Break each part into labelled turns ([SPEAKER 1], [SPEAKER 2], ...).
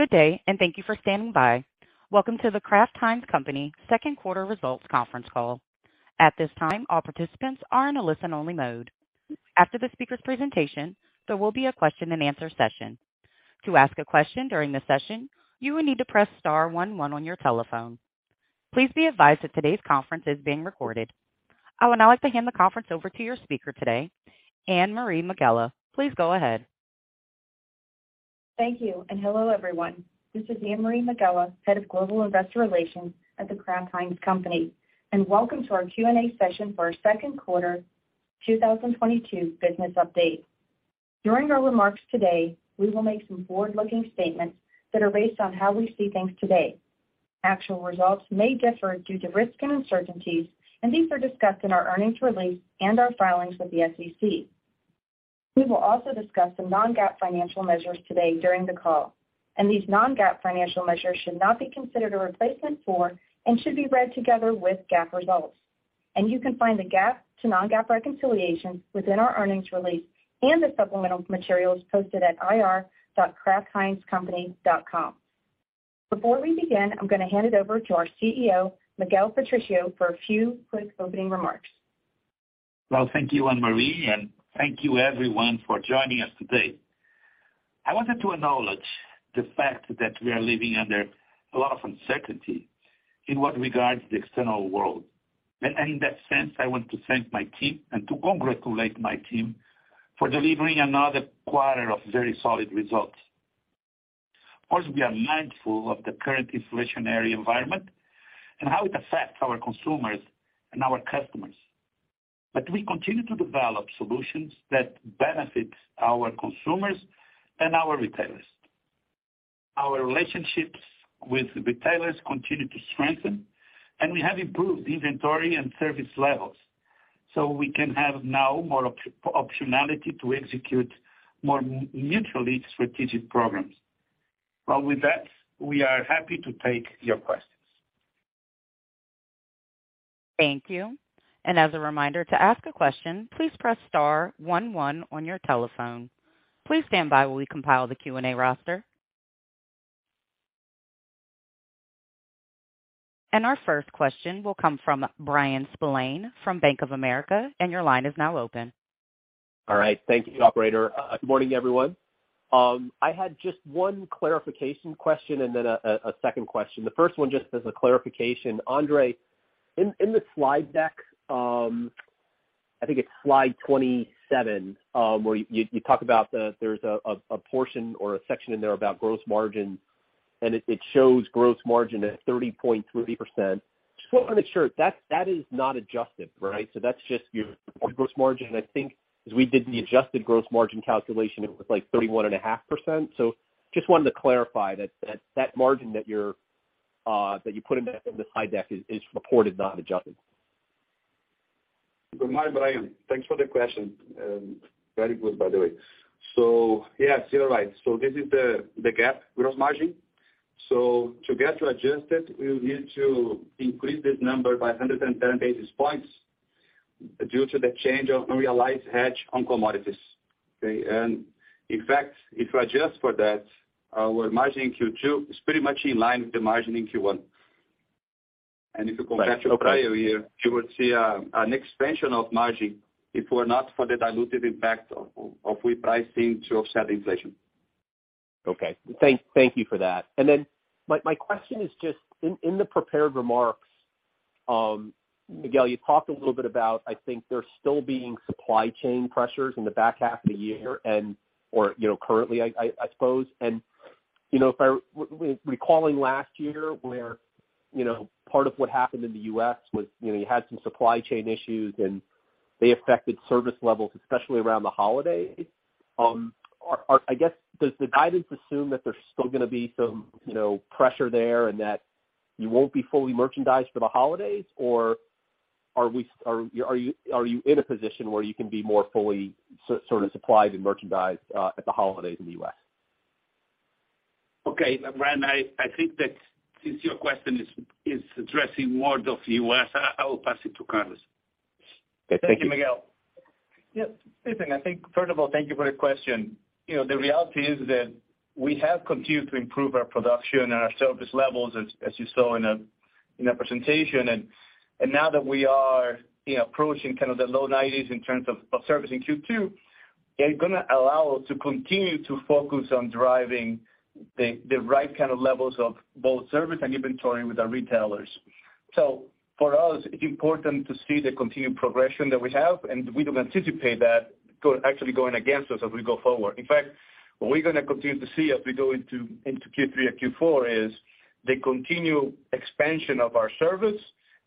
[SPEAKER 1] Good day, and thank you for standing by. Welcome to The Kraft Heinz Company second quarter results conference call. At this time, all participants are in a listen-only mode. After the speaker's presentation, there will be a question-and-answer session. To ask a question during the session, you will need to press star one one on your telephone. Please be advised that today's conference is being recorded. I would now like to hand the conference over to your speaker today, Anne-Marie Megela. Please go ahead.
[SPEAKER 2] Thank you, and hello, everyone. This is Anne-Marie Megela, head of Global Investor Relations at The Kraft Heinz Company, and welcome to our Q&A session for our second quarter 2022 business update. During our remarks today, we will make some forward-looking statements that are based on how we see things today. Actual results may differ due to risks and uncertainties, and these are discussed in our earnings release and our filings with the SEC. We will also discuss some non-GAAP financial measures today during the call, and these non-GAAP financial measures should not be considered a replacement for and should be read together with GAAP results. You can find the GAAP to non-GAAP reconciliations within our earnings release and the supplemental materials posted at ir.kraftheinzcompany.com. Before we begin, I'm gonna hand it over to our CEO, Miguel Patricio, for a few quick opening remarks.
[SPEAKER 3] Well, thank you, Anne-Marie, and thank you everyone for joining us today. I wanted to acknowledge the fact that we are living under a lot of uncertainty in what regards the external world. In that sense, I want to thank my team and to congratulate my team for delivering another quarter of very solid results. Of course, we are mindful of the current inflationary environment and how it affects our consumers and our customers. We continue to develop solutions that benefit our consumers and our retailers. Our relationships with retailers continue to strengthen, and we have improved inventory and service levels, so we can have now more optionality to execute more mutually strategic programs. Well, with that, we are happy to take your questions.
[SPEAKER 1] Thank you. As a reminder, to ask a question, please press star one one on your telephone. Please stand by while we compile the Q&A roster. Our first question will come from Bryan Spillane from Bank of America, and your line is now open.
[SPEAKER 4] All right. Thank you, operator. Good morning, everyone. I had just one clarification question and then a second question. The first one just as a clarification. Andre, in the slide deck, I think it's slide 27, where you talk about there's a portion or a section in there about gross margin, and it shows gross margin at 30.3%. Just wanna make sure that is not adjusted, right? So that's just your gross margin. I think as we did the adjusted gross margin calculation, it was like 31.5%. Just wanted to clarify that margin that you put in the slide deck is reported, not adjusted.
[SPEAKER 5] Good morning, Bryan. Thanks for the question, and very good, by the way. Yes, you're right. This is the GAAP gross margin. To get to adjusted, we would need to increase this number by 110 basis points due to the change of unrealized hedge on commodities. Okay. In fact, if you adjust for that, our margin in Q2 is pretty much in line with the margin in Q1. If you compare to prior year, you would see an expansion of margin if it were not for the dilutive impact of repricing to offset inflation.
[SPEAKER 4] Okay. Thank you for that. Then my question is just in the prepared remarks, Miguel, you talked a little bit about, I think, there still being supply chain pressures in the back half of the year and/or, you know, currently, I suppose. You know, recalling last year where, you know, part of what happened in the U.S. was, you know, you had some supply chain issues and they affected service levels, especially around the holidays. I guess, does the guidance assume that there's still gonna be some, you know, pressure there and that you won't be fully merchandised for the holidays? Or are you in a position where you can be more fully sort of supplied and merchandised at the holidays in the U.S.?
[SPEAKER 3] Okay. Bryan, I think that since your question is addressing more of the U.S., I will pass it to Carlos.
[SPEAKER 4] Okay. Thank you.
[SPEAKER 6] Thank you, Miguel. Yeah, same thing. I think, first of all, thank you for the question. You know, the reality is that we have continued to improve our production and our service levels as you saw in the presentation. Now that we are, you know, approaching kind of the low 90s% in terms of service in Q2, they're gonna allow us to continue to focus on driving the right kind of levels of both service and inventory with our retailers. For us, it's important to see the continued progression that we have, and we don't anticipate that actually going against us as we go forward. In fact, what we're gonna continue to see as we go into Q3 and Q4 is the continued expansion of our service,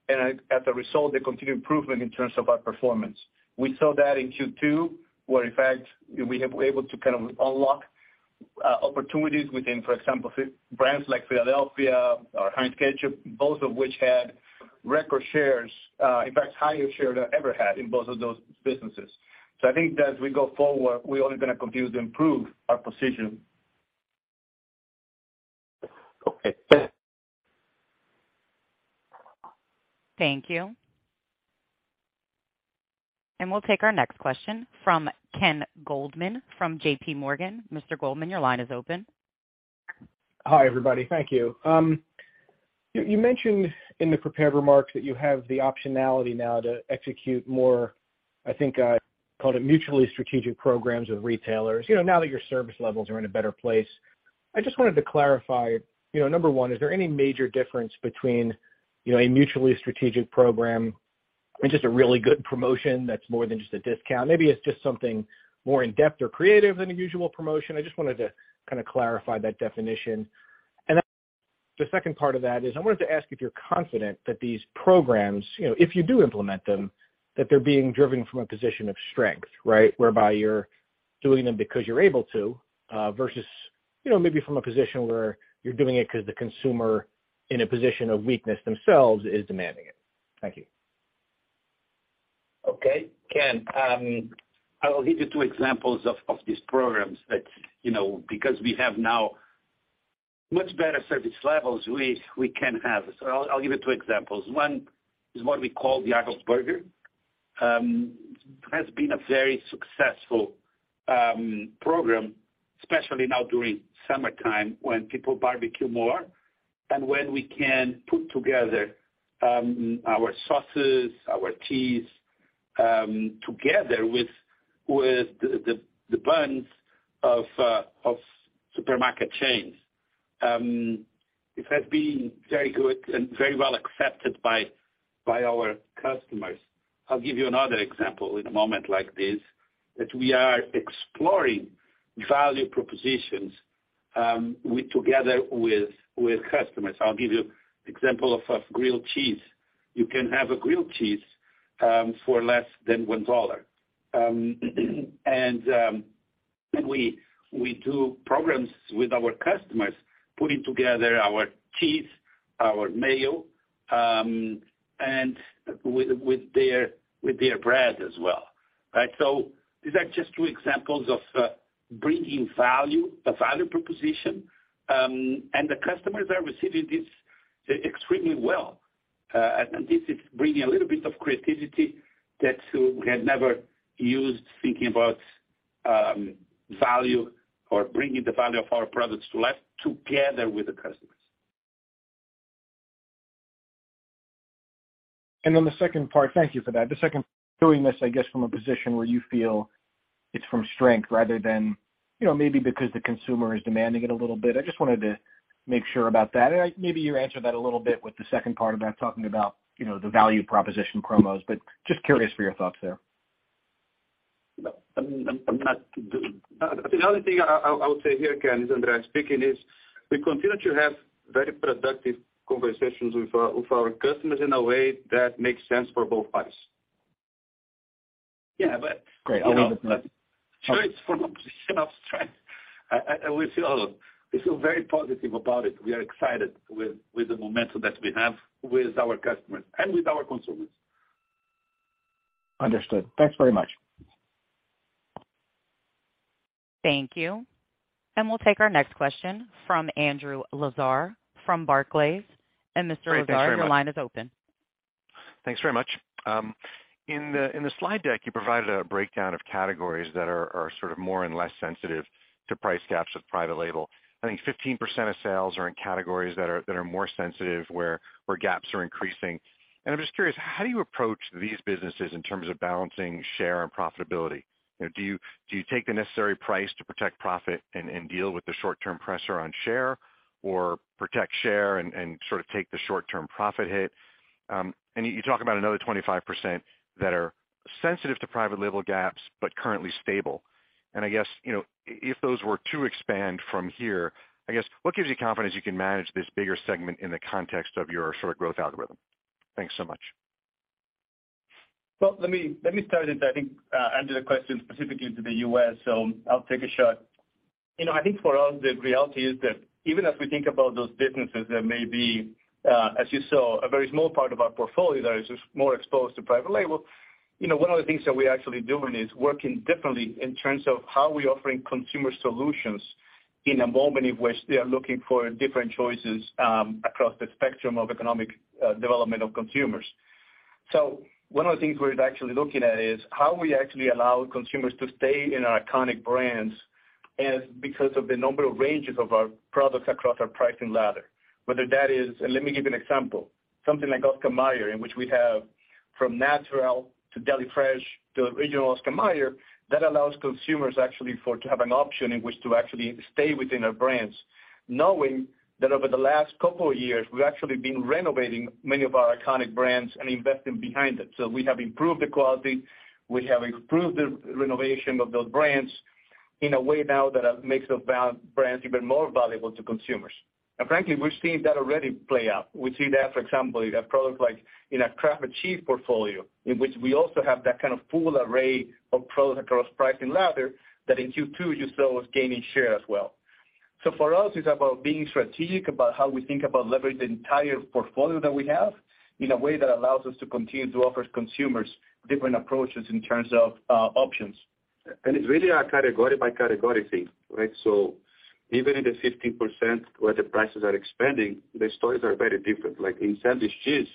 [SPEAKER 6] and as a result, the continued improvement in terms of our performance. We saw that in Q2, where in fact we have able to kind of unlock opportunities within, for example, brands like Philadelphia or Heinz Ketchup, both of which had record shares, in fact, higher share than ever had in both of those businesses. I think as we go forward, we're only gonna continue to improve our position.
[SPEAKER 4] Okay.
[SPEAKER 1] Thank you. We'll take our next question from Ken Goldman from JPMorgan. Mr. Goldman, your line is open.
[SPEAKER 7] Hi, everybody. Thank you. You mentioned in the prepared remarks that you have the optionality now to execute more, I think, you called it mutually strategic programs with retailers, you know, now that your service levels are in a better place. I just wanted to clarify, you know, number one, is there any major difference between, you know, a mutually strategic program and just a really good promotion that's more than just a discount? Maybe it's just something more in-depth or creative than a usual promotion. I just wanted to kinda clarify that definition. The second part of that is I wanted to ask if you're confident that these programs, you know, if you do implement them, that they're being driven from a position of strength, right? Whereby you're doing them because you're able to, versus, you know, maybe from a position where you're doing it because the consumer, in a position of weakness themselves, is demanding it. Thank you.
[SPEAKER 3] Okay. Ken, I will give you two examples of these programs that, you know, because we have now much better service levels, we can have. I'll give you two examples. One is what we call the Art of the Burger. It has been a very successful program, especially now during summertime when people barbecue more and when we can put together our sauces, our cheese, together with the buns of supermarket chains. It has been very good and very well accepted by our customers. I'll give you another example in a moment like this, that we are exploring value propositions together with customers. I'll give you example of a grilled cheese. You can have a grilled cheese for less than $1. We do programs with our customers, putting together our cheese, our mayo, and with their bread as well, right? These are just two examples of bringing value, a value proposition, and the customers are receiving this extremely well. This is bringing a little bit of creativity that we had never used thinking about value or bringing the value of our products to life together with the customers.
[SPEAKER 7] Then the second part. Thank you for that. The second part, doing this, I guess, from a position where you feel it's from strength rather than, you know, maybe because the consumer is demanding it a little bit. I just wanted to make sure about that. Maybe you answered that a little bit with the second part about talking about, you know, the value proposition promos, but just curious for your thoughts there.
[SPEAKER 5] No, I'm not. The only thing I would say here, Ken, this is Andre speaking, is we continue to have very productive conversations with our customers in a way that makes sense for both parties. Yeah, but
[SPEAKER 7] Great. I'll leave it at that.
[SPEAKER 3] You know, choice from a position of strength. We feel very positive about it. We are excited with the momentum that we have with our customers and with our consumers.
[SPEAKER 7] Understood. Thanks very much.
[SPEAKER 1] Thank you. We'll take our next question from Andrew Lazar from Barclays. Mr. Lazar-
[SPEAKER 8] Great. Thanks very much.
[SPEAKER 1] Your line is open.
[SPEAKER 8] Thanks very much. In the slide deck, you provided a breakdown of categories that are sort of more and less sensitive to price gaps with private label. I think 15% of sales are in categories that are more sensitive, where gaps are increasing. I'm just curious, how do you approach these businesses in terms of balancing share and profitability? You know, do you take the necessary price to protect profit and deal with the short-term pressure on share or protect share and sort of take the short-term profit hit? You talk about another 25% that are sensitive to private label gaps but currently stable. I guess, you know, if those were to expand from here, I guess what gives you confidence you can manage this bigger segment in the context of your sort of growth algorithm? Thanks so much.
[SPEAKER 3] Well, let me start it. I think Andrew's question is specifically to the U.S., so I'll take a shot. You know, I think for us, the reality is that even as we think about those businesses that may be, as you saw, a very small part of our portfolio that is more exposed to private label, you know, one of the things that we're actually doing is working differently in terms of how we're offering consumer solutions in a moment in which they are looking for different choices, across the spectrum of economic development of consumers. One of the things we're actually looking at is how we actually allow consumers to stay in our iconic brands is because of the number of ranges of our products across our pricing ladder. Whether that is. Let me give you an example. Something like Oscar Mayer, in which we have from Natural to Deli Fresh to original Oscar Mayer, that allows consumers actually to have an option in which to actually stay within our brands, knowing that over the last couple of years, we've actually been renovating many of our iconic brands and investing behind them. We have improved the quality, we have improved the renovation of those brands in a way now that makes those value brands even more valuable to consumers. Frankly, we're seeing that already play out. We see that, for example, in a product like in our Kraft cheese portfolio, in which we also have that kind of full array of products across pricing ladder that in Q2 you saw us gaining share as well. For us, it's about being strategic about how we think about leveraging the entire portfolio that we have in a way that allows us to continue to offer consumers different approaches in terms of options.
[SPEAKER 5] It's really a category by category thing, right? Even in the 15% where the prices are expanding, the stories are very different. Like in sandwich cheese,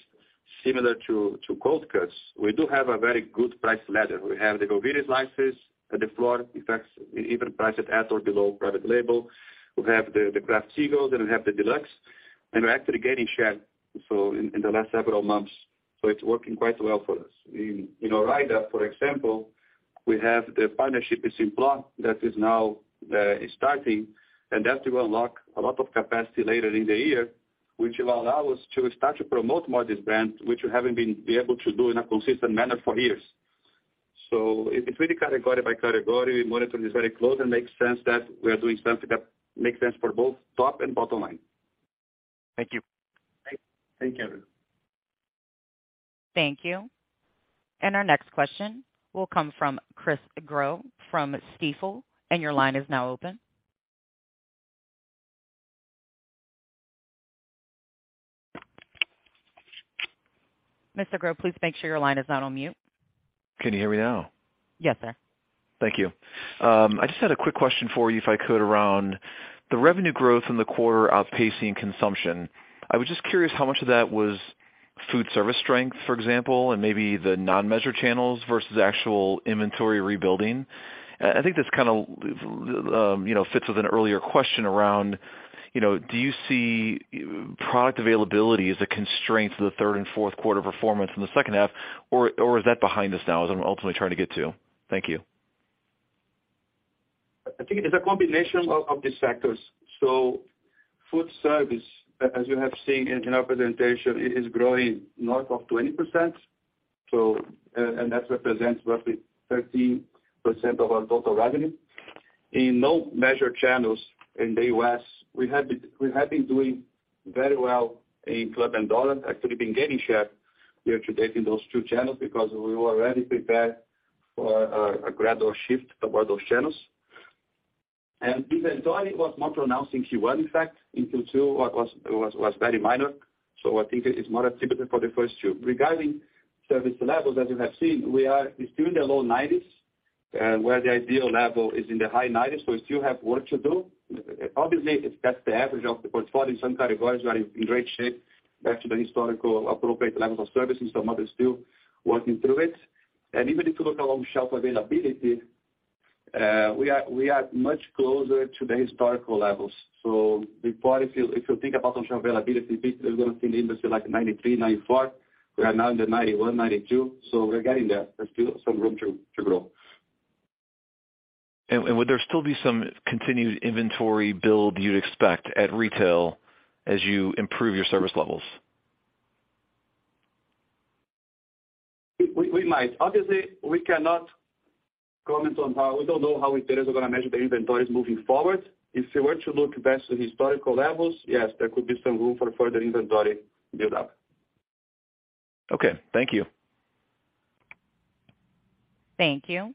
[SPEAKER 5] similar to cold cuts, we do have a very good price ladder. We have the Velveeta slices at the floor. In fact, we even price it at or below private label. We have the Kraft Singles, and we have the deluxe, and we're actually gaining share, so in the last several months, so it's working quite well for us. In Ore-Ida, for example, we have the partnership with Simplot that is now starting, and that will unlock a lot of capacity later in the year, which will allow us to start to promote more this brand, which we haven't been able to do in a consistent manner for years. It's really category by category. We're monitoring this very closely and makes sense that we are doing stuff that makes sense for both top and bottom line.
[SPEAKER 8] Thank you.
[SPEAKER 5] Thank you.
[SPEAKER 1] Thank you. Our next question will come from Chris Growe from Stifel, and your line is now open. Mr. Growe, please make sure your line is not on mute.
[SPEAKER 9] Can you hear me now?
[SPEAKER 1] Yes, sir.
[SPEAKER 9] Thank you. I just had a quick question for you, if I could, around the revenue growth in the quarter outpacing consumption. I was just curious how much of that was food service strength, for example, and maybe the non-measured channels versus actual inventory rebuilding. I think this kind of, you know, fits with an earlier question around, you know, do you see product availability as a constraint to the third and fourth quarter performance in the second half or is that behind us now, is what I'm ultimately trying to get to? Thank you.
[SPEAKER 3] I think it's a combination of these factors. Food service, as you have seen in our presentation, is growing north of 20%. That represents roughly 13% of our total revenue. In non-measured channels in the U.S., we have been doing very well in club and dollar, actually been gaining share year to date in those two channels because we were already prepared for a gradual shift toward those channels. Inventory was more pronounced in Q1, in fact. In Q2, it was very minor, so I think it's more attributed to the first two. Regarding service levels, as you have seen, we are still in the low 90s, where the ideal level is in the high 90s, so we still have work to do. Obviously, if that's the average of the portfolio, some categories are in great shape back to the historical appropriate levels of services. Some others still working through it. Even if you look along shelf availability, we are much closer to the historical levels. Before, if you think about shelf availability, we're gonna see the industry like 93%-94%. We are now in the 91%-92%, so we're getting there. There's still some room to grow.
[SPEAKER 9] Would there still be some continued inventory build you'd expect at retail as you improve your service levels?
[SPEAKER 3] We might. Obviously, we cannot comment on how. We don't know how retailers are gonna measure the inventories moving forward. If we were to look back to historical levels, yes, there could be some room for further inventory build-up.
[SPEAKER 9] Okay. Thank you.
[SPEAKER 1] Thank you.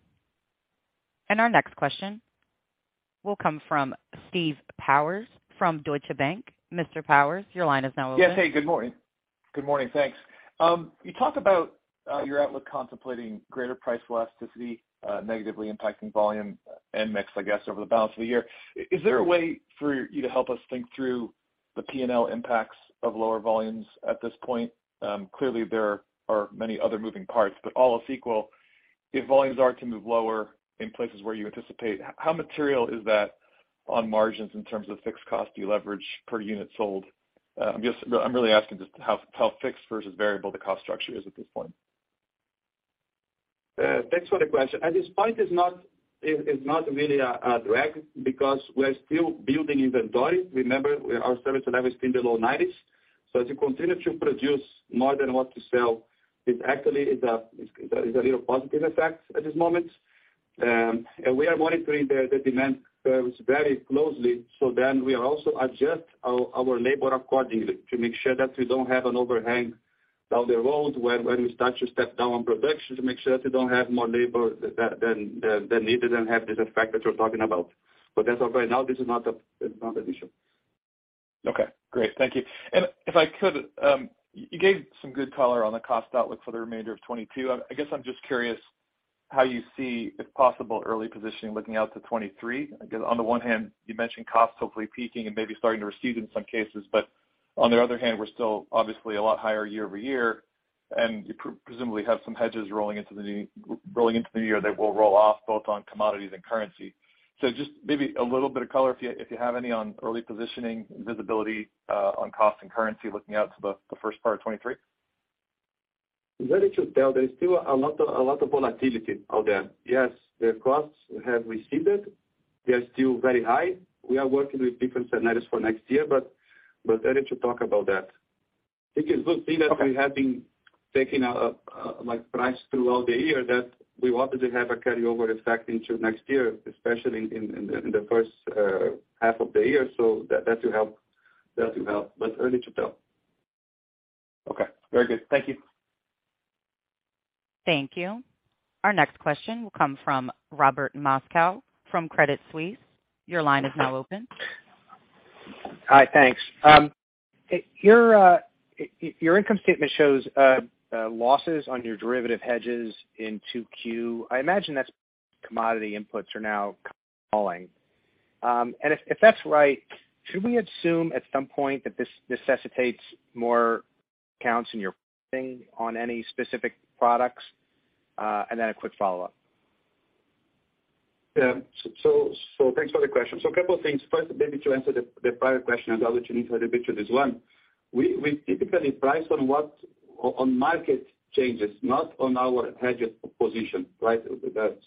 [SPEAKER 1] Our next question will come from Steve Powers from Deutsche Bank. Mr. Powers, your line is now open.
[SPEAKER 10] Yes. Hey, good morning. Good morning. Thanks. You talked about your outlook contemplating greater price elasticity negatively impacting volume and mix, I guess, over the balance of the year. Is there a way for you to help us think through the P&L impacts of lower volumes at this point? Clearly, there are many other moving parts, but all else equal, if volumes are to move lower in places where you anticipate, how material is that on margins in terms of fixed cost deleverage per unit sold? I'm really asking just how fixed versus variable the cost structure is at this point.
[SPEAKER 3] Thanks for the question. At this point, it's not really a drag because we're still building inventory. Remember, our service level is in the low 90s%. As you continue to produce more than what you sell, it actually is a real positive effect at this moment. We are monitoring the demand levels very closely. We also adjust our labor accordingly to make sure that we don't have an overhang down the road when we start to step down on production to make sure that we don't have more labor than needed and have this effect that you're talking about. As of right now, this is not an issue.
[SPEAKER 10] Okay, great. Thank you. If I could, you gave some good color on the cost outlook for the remainder of 2022. I guess I'm just curious how you see, if possible, early positioning looking out to 2023. Because on the one hand, you mentioned costs hopefully peaking and maybe starting to recede in some cases. But on the other hand, we're still obviously a lot higher year-over-year, and you presumably have some hedges rolling into the year that will roll off both on commodities and currency. So just maybe a little bit of color, if you have any, on early positioning, visibility, on cost and currency looking out to the first part of 2023.
[SPEAKER 5] Very hard to tell. There is still a lot of volatility out there. Yes, the costs have receded. They are still very high. We are working with different scenarios for next year, but early to talk about that. I think it's good thing that we have been taking price throughout the year that we wanted to have a carryover effect into next year, especially in the first half of the year. That will help. Early to tell.
[SPEAKER 10] Okay. Very good. Thank you.
[SPEAKER 1] Thank you. Our next question will come from Robert Moskow from Credit Suisse. Your line is now open.
[SPEAKER 11] Hi, thanks. Your income statement shows losses on your derivative hedges in 2Q. I imagine that's because commodity inputs are now falling. If that's right, should we assume at some point that this necessitates more cuts in your pricing on any specific products? A quick follow-up.
[SPEAKER 5] Yeah. Thanks for the question. A couple of things. First, maybe to answer the prior question as well, which you need to repeat to this one. We typically price on what on market changes, not on our hedge position. Right? That.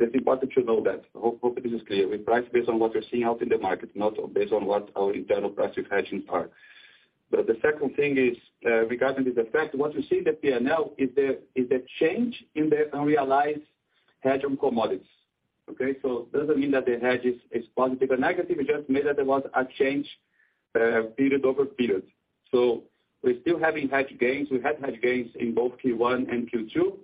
[SPEAKER 5] It's important to know that. Hope this is clear. We price based on what we're seeing out in the market, not based on what our internal price hedges are. But the second thing is, regarding the effect, what you see in the P&L is the change in the unrealized hedge on commodities. Okay? Doesn't mean that the hedge is positive or negative. It just means that there was a change, period over period. We're still having hedge gains. We had hedge gains in both Q1 and Q2,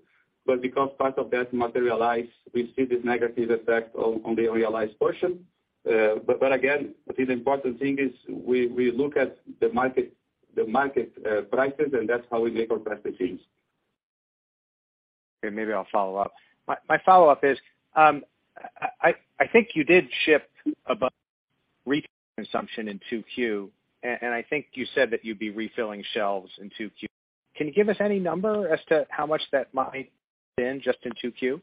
[SPEAKER 5] but because part of that materialized, we see this negative effect on the unrealized portion. Again, what is important thing is we look at the market prices, and that's how we make our price changes.
[SPEAKER 11] Okay, maybe I'll follow up. My follow-up is, I think you did ship above retail consumption in 2Q, and I think you said that you'd be refilling shelves in 2Q. Can you give us any number as to how much that might been just in 2Q?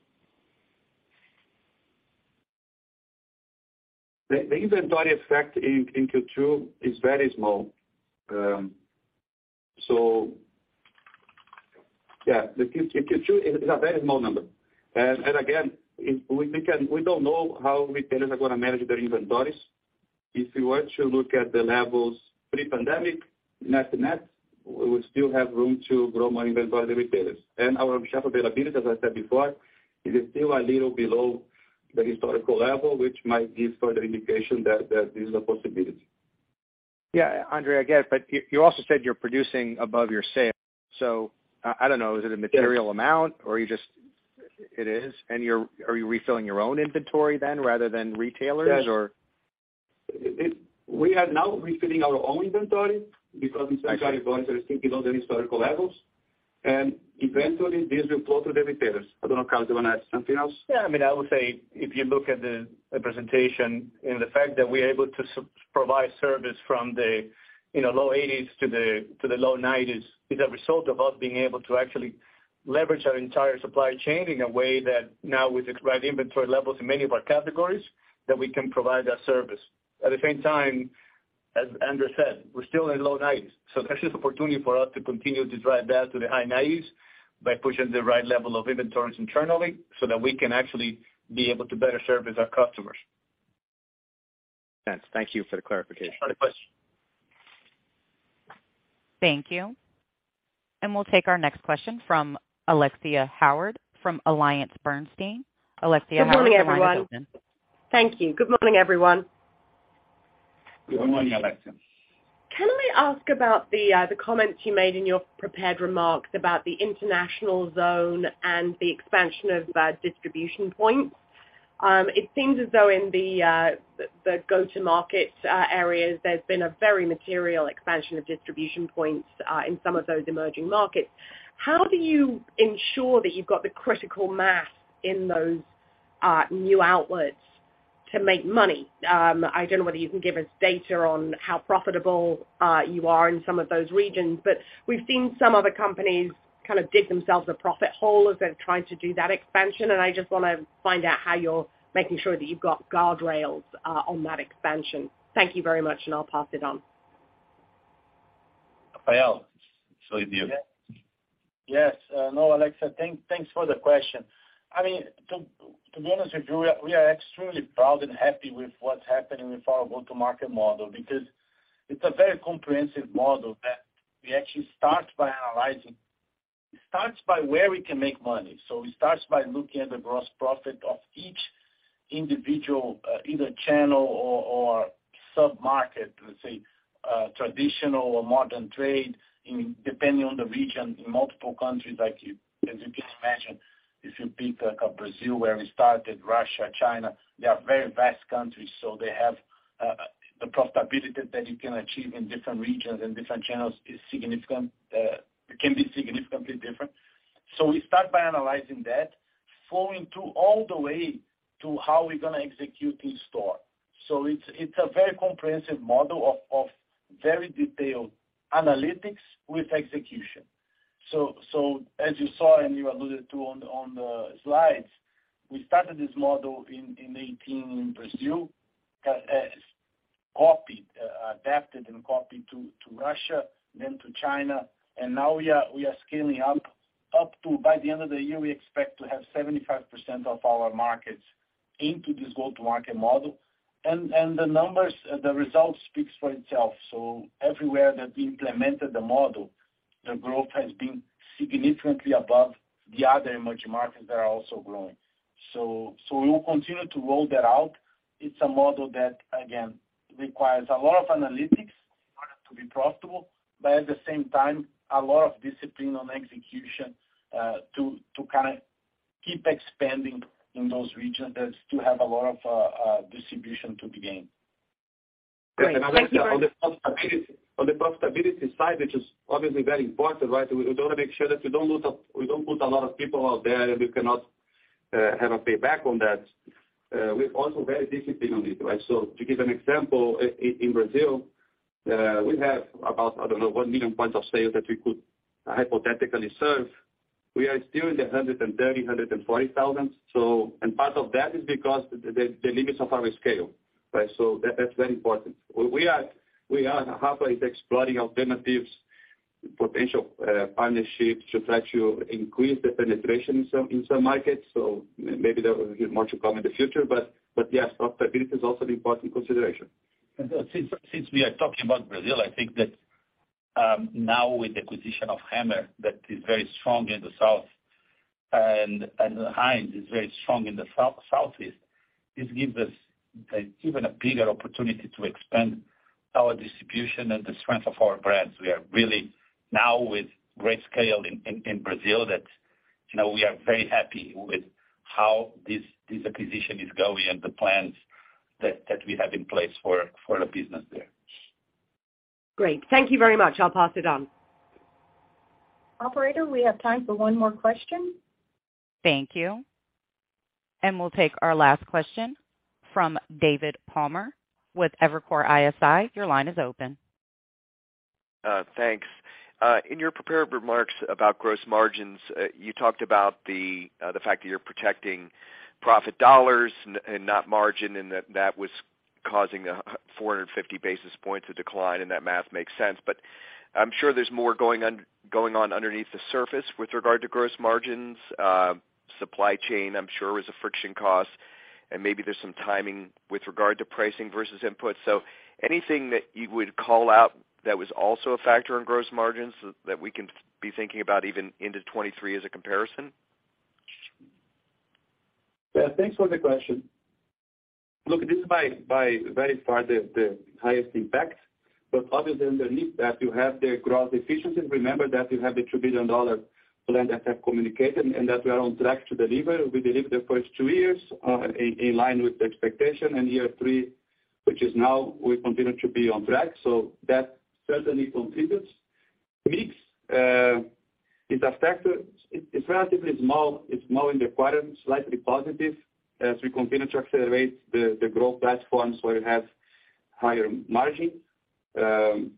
[SPEAKER 5] The inventory effect in Q2 is very small. In Q2 is a very small number. Again, we don't know how retailers are gonna manage their inventories. If you were to look at the levels pre-pandemic, net-net, we would still have room to grow more inventory with the retailers. Our shelf availability, as I said before, is still a little below the historical level, which might give further indication that this is a possibility.
[SPEAKER 11] Yeah, Andre, I get it. You also said you're producing above your sales, so I don't know, is it a material amount or are you just? It is? Are you refilling your own inventory then rather than retailers or?
[SPEAKER 5] Yes. We are now refilling our own inventory because inventory is going to stay below the historical levels, and eventually this will flow to the retailers. I don't know, Carlos, do you wanna add something else?
[SPEAKER 6] Yeah. I mean, I would say if you look at the presentation and the fact that we're able to provide service from you know low 80s%-low 90s% is a result of us being able to actually leverage our entire supply chain in a way that now with the right inventory levels in many of our categories, that we can provide that service. At the same time, as Andre said, we're still in low 90s%, so there's still opportunity for us to continue to drive that to the high 90s% by pushing the right level of inventories internally so that we can actually be able to better service our customers.
[SPEAKER 11] Thanks. Thank you for the clarification.
[SPEAKER 12] Another question.
[SPEAKER 1] Thank you. We'll take our next question from Alexia Howard, from AllianceBernstein. Alexia Howard, your line is open.
[SPEAKER 13] Good morning, everyone. Thank you. Good morning, everyone.
[SPEAKER 5] Good morning, Alexia.
[SPEAKER 13] Can I ask about the comments you made in your prepared remarks about the International Zone and the expansion of distribution points? It seems as though in the go-to-market areas, there's been a very material expansion of distribution points in some of those emerging markets. How do you ensure that you've got the critical mass in those new outlets to make money? I don't know whether you can give us data on how profitable you are in some of those regions, but we've seen some other companies kind of dig themselves a profit hole as they've tried to do that expansion. I just wanna find out how you're making sure that you've got guardrails on that expansion. Thank you very much, and I'll pass it on.
[SPEAKER 5] Rafael, it's for you.
[SPEAKER 12] Yes. No, Alexia, thanks for the question. I mean, to be honest with you, we are extremely proud and happy with what's happening with our go-to-market model because it's a very comprehensive model that we actually start by analyzing. It starts by where we can make money. We start by looking at the gross profit of each individual either channel or sub-market, let's say, traditional or modern trade in depending on the region, in multiple countries as you just mentioned, if you pick like a Brazil where we started, Russia, China, they are very vast countries, so they have the profitability that you can achieve in different regions and different channels is significant, can be significantly different. We start by analyzing that, flowing through all the way to how we're gonna execute in store. It's a very comprehensive model of very detailed analytics with execution. As you saw, and you alluded to on the slides, we started this model in 2018 in Brazil, adapted and copied to Russia, then to China. Now we are scaling up to by the end of the year, we expect to have 75% of our markets into this go-to-market model. The numbers, the results speaks for itself. Everywhere that we implemented the model, the growth has been significantly above the other emerging markets that are also growing. We will continue to roll that out. It's a model that, again, requires a lot of analytics to be profitable, but at the same time, a lot of discipline on execution to kinda keep expanding in those regions that still have a lot of distribution to be gained.
[SPEAKER 13] Great, thank you.
[SPEAKER 5] On the profitability side, which is obviously very important, right? We wanna make sure that we don't put a lot of people out there and we cannot have a payback on that. We're also very disciplined on it, right? To give an example, in Brazil, we have about, I don't know, 1 million points of sale that we could hypothetically serve. We are still in the 130-140 thousand. Part of that is because the limits of our scale, right? That's very important. We are halfway exploring alternatives, potential partnerships to try to increase the penetration in some markets. Maybe there will be much to come in the future, but yes, profitability is also an important consideration.
[SPEAKER 3] Since we are talking about Brazil, I think that now with the acquisition of Hemmer, that is very strong in the South and Heinz is very strong in the Southeast, this gives us an even bigger opportunity to expand our distribution and the strength of our brands. We are really now with great scale in Brazil that, you know, we are very happy with how this acquisition is going and the plans that we have in place for the business there.
[SPEAKER 13] Great. Thank you very much. I'll pass it on.
[SPEAKER 2] Operator, we have time for one more question.
[SPEAKER 1] Thank you. We'll take our last question from David Palmer with Evercore ISI. Your line is open.
[SPEAKER 14] Thanks. In your prepared remarks about gross margins, you talked about the fact that you're protecting profit dollars and not margin, and that was causing the 450 basis points of decline, and that math makes sense. I'm sure there's more going on underneath the surface with regard to gross margins. Supply chain, I'm sure, was a friction cost, and maybe there's some timing with regard to pricing versus input. Anything that you would call out that was also a factor in gross margins that we can be thinking about even into 2023 as a comparison?
[SPEAKER 3] Yeah. Thanks for the question. Look, this is by very far the highest impact, but other than underneath that, you have the growth efficiencies. Remember that you have the $2 billion plan that I've communicated and that we are on track to deliver. We delivered the first 2 years in line with the expectation. Year 3, which is now, we continue to be on track, so that certainly completes. Mix is a factor. It's relatively small. It's more in the quarter, slightly positive as we continue to accelerate the growth platforms where we have higher margin. The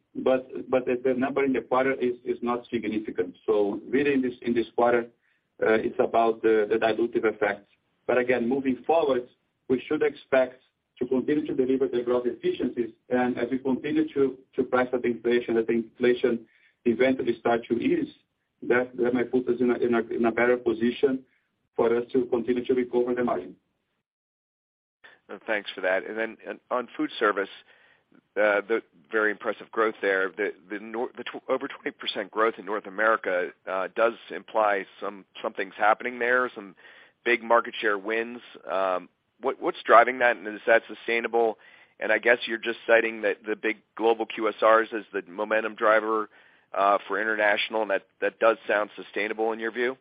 [SPEAKER 3] number in the quarter is not significant. Really in this quarter, it's about the dilutive effect. Again, moving forward, we should expect to continue to deliver the growth efficiencies. As we continue to price up inflation, as the inflation eventually start to ease, that might put us in a better position for us to continue to recover the margin.
[SPEAKER 14] Thanks for that. On food service, the very impressive growth there. The over 20% growth in North America does imply something's happening there, some big market share wins. What's driving that, and is that sustainable? I guess you're just citing the big global QSRs as the momentum driver for international, and that does sound sustainable in your view.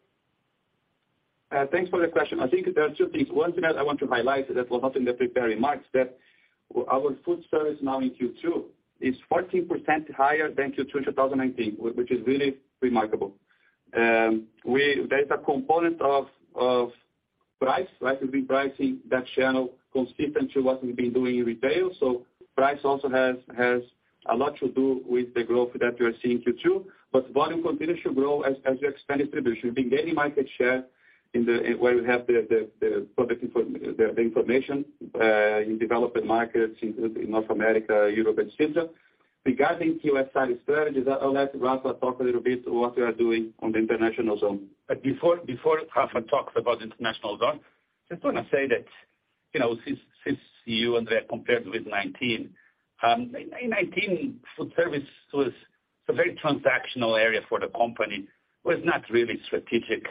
[SPEAKER 5] Thanks for the question. I think there are two things. One thing that I want to highlight that was not in the prepared remarks, that our food service now in Q2 is 14% higher than Q2 in 2019, which is really remarkable. There's a component of price, right? We've been pricing that channel consistent to what we've been doing in retail. So price also has a lot to do with the growth that you are seeing in Q2. But volume continues to grow as we expand distribution. We've been gaining market share in the where we have the product information in developing markets in North America, Europe and China. Regarding QSR strategies, I'll let Rafael talk a little bit what we are doing on the International Zone.
[SPEAKER 3] Before Rafael talks about International Zone, just want to say that, you know, since you, Andre, compared with 2019, in 2019, food service was a very transactional area for the company, was not really strategic,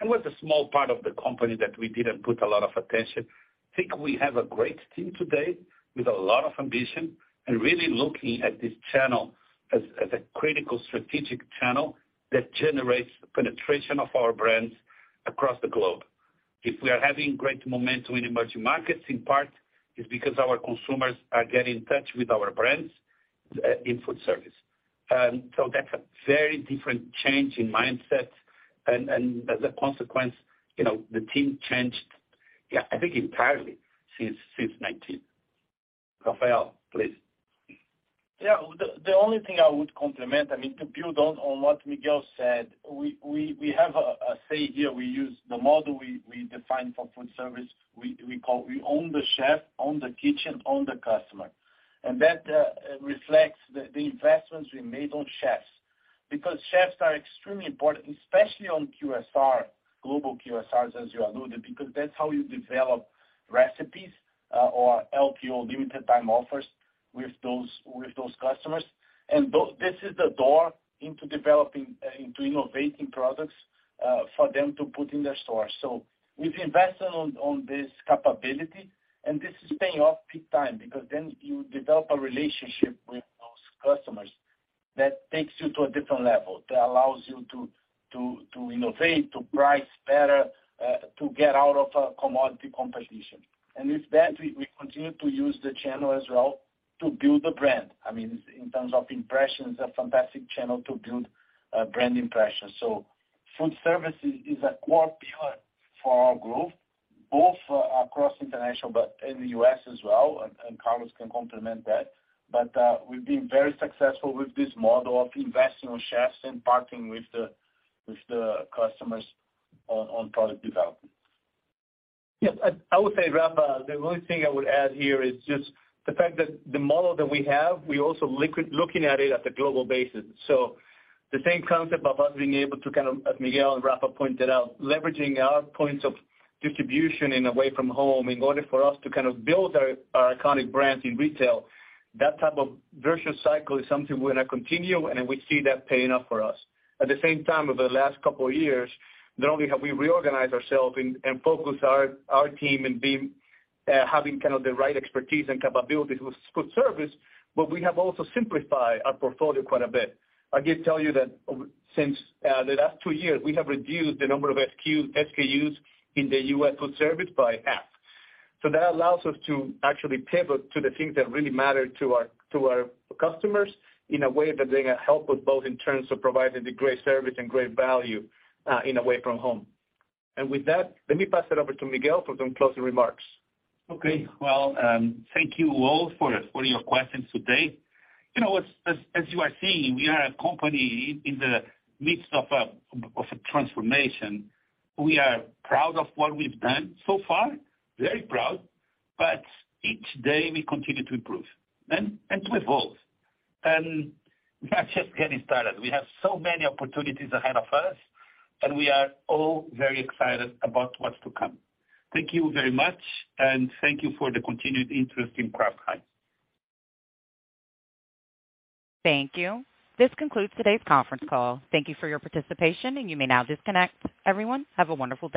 [SPEAKER 3] and was a small part of the company that we didn't pay a lot of attention. I think we have a great team today with a lot of ambition and really looking at this channel as a critical strategic channel that generates penetration of our brands across the globe. If we are having great momentum in emerging markets, in part it's because our consumers are getting in touch with our brands in food service. That's a very different change in mindset. As a consequence, you know, the team changed, yeah, I think entirely since 2019. Rafael, please.
[SPEAKER 12] Yeah. The only thing I would comment on, I mean, to build on what Miguel said, we have a say here. We use the model we define for food service. We call We own the chef, own the kitchen, own the customer. That reflects the investments we made on chefs, because chefs are extremely important, especially on QSR, global QSRs as you alluded, because that's how you develop recipes or LTO, limited time offers, with those customers. This is the door into developing into innovating products for them to put in their stores. We've invested on this capability, and this is paying off big time because then you develop a relationship with those customers that takes you to a different level, that allows you to innovate, to price better, to get out of a commodity competition. With that, we continue to use the channel as well to build the brand. I mean, in terms of impressions, a fantastic channel to build brand impressions. Food service is a core pillar for our growth, both across international, but in the US as well, and Carlos can complement that. We've been very successful with this model of investing on chefs and partnering with the customers on product development.
[SPEAKER 6] Yes. I would say, Rafael, the only thing I would add here is just the fact that the model that we have, we're also looking at it on a global basis. The same concept of us being able to kind of, as Miguel and Rafael pointed out, leveraging our points of distribution in away-from-home in order for us to kind of build our iconic brands in retail, that type of virtuous cycle is something we're gonna continue, and we see that paying off for us. At the same time, over the last couple of years, not only have we reorganized ourselves and focused our team in being having kind of the right expertise and capabilities with food service, but we have also simplified our portfolio quite a bit. I can tell you that over the last two years, we have reduced the number of SKUs in the U.S. food service by half. That allows us to actually pivot to the things that really matter to our customers in a way that they're gonna help us both in terms of providing the great service and great value in away from home. With that, let me pass it over to Miguel for some closing remarks.
[SPEAKER 3] Okay. Well, thank you all for your questions today. You know, as you are seeing, we are a company in the midst of a transformation. We are proud of what we've done so far, very proud, but each day we continue to improve and to evolve. We are just getting started. We have so many opportunities ahead of us, and we are all very excited about what's to come. Thank you very much, and thank you for the continued interest in Kraft Heinz.
[SPEAKER 1] Thank you. This concludes today's conference call. Thank you for your participation, and you may now disconnect. Everyone, have a wonderful day.